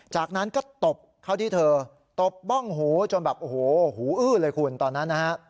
จากนั้นก็ตบเข้าที่เธอตบบ้องหูจนแบบโอ้โหหูอื้อเลยคุณตอนนั้นนะฮะ